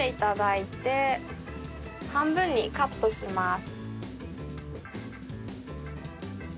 半分にカットします。